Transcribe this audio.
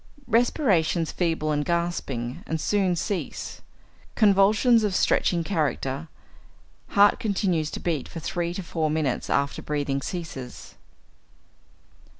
Respirations feeble and gasping, and soon cease; convulsions of stretching character; heart continues to beat for three to four minutes after breathing ceases.